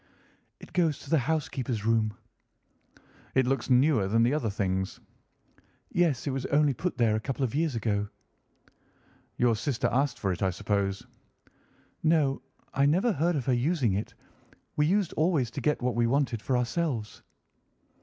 "It goes to the housekeeper's room." "It looks newer than the other things?" "Yes, it was only put there a couple of years ago." "Your sister asked for it, I suppose?" "No, I never heard of her using it. We used always to get what we wanted for ourselves."